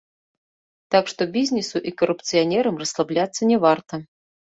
Так што бізнесу і карупцыянерам расслабляцца не варта.